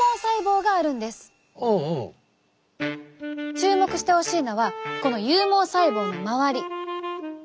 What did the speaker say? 注目してほしいのはこの有毛細胞の周り。